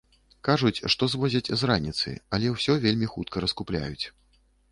Кажуць, што звозяць з раніцы, але ўсё вельмі хутка раскупляюць.